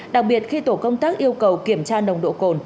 đặc biệt khi tổ công tác yêu cầu kiểm tra nồng độ cồn